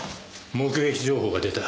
目撃情報が出た。